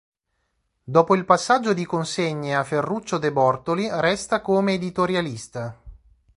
Dopo il passaggio di consegne a Ferruccio de Bortoli, resta come editorialista.